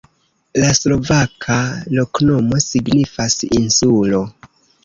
La slovaka loknomo signifas: insulo.